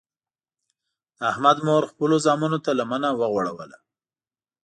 د احمد مور خپلو زمنو ته لمنه وغوړوله.